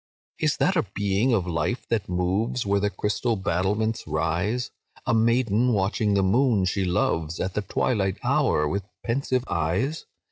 "Is that a being of life, that moves Where the crystal battlements rise? A maiden, watching the moon she loves, At the twilight hour, with pensive eyes?